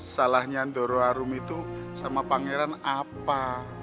salahnya doro arum itu sama pangeran apa